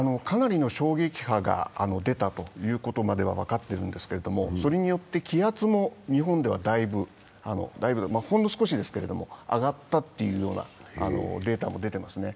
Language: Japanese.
かなりの衝撃波が出たということまでは分かっているんですけれどもそれによって気圧も日本ではほんの少しですけれども上がったというデータも出ています。